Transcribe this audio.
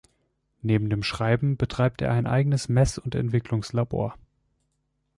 Neben dem Schreiben betreibt er ein eigenes Mess- und Entwicklungslabor.